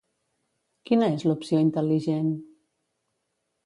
Quina és l'opció intel·ligent?